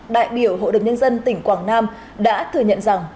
đại biểu hội đồng nhân dân tỉnh quảng nam đã thừa nhận rằng